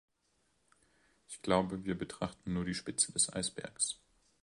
Ich glaube, wir betrachten nur die Spitze des Eisbergs.